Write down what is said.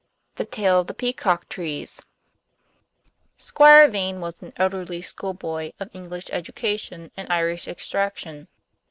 THE TALE OF THE PEACOCK TREES Squire Vane was an elderly schoolboy of English education and Irish extraction.